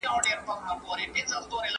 ¬ هر سړى په خپل کور کي پاچا دئ.